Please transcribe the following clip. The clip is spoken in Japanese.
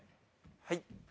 はい。